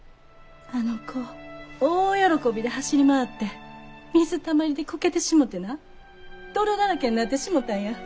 あの子大喜びで走り回って水たまりでこけてしもてな泥だらけになってしもたんや。